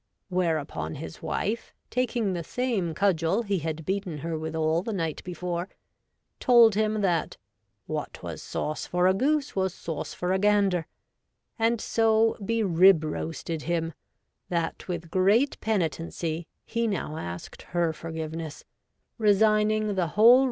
Whereupon his wife, taking the same cudgel he had beaten her withall the night before, told him that what was sauce for a Goose was sauce for a Gander, and so be rib roasted him, that with great penitency he now asked her forgiveness, resigning the whole 124 REVOLTED WOMAN.